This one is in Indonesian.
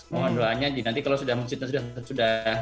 mohon doanya nanti kalau masjid itu sudah